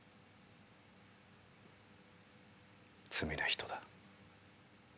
罪な人だ。